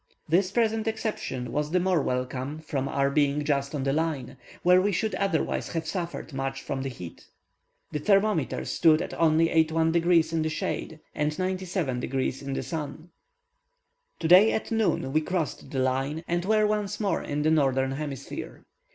This present exception was the more welcome from our being just on the Line, where we should otherwise have suffered much from the heat. The thermometer stood at only 81 degrees in the shade, and 97 degrees in the sun. Today at noon we crossed the Line, and were once more in the northern hemisphere.